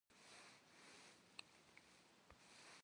Hefe şşerxhxer kauçukım khıxaş'ıç', kauçukır ş'ıdağem khıxax.